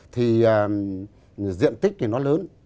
thì diện tích thì nó lớn